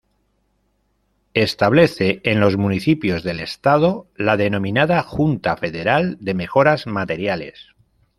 Establece en los municipios del estado, la denominada "Junta Federal de Mejoras Materiales".